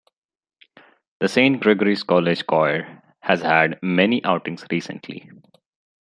The Saint Gregory's College Choir has had many outings recently.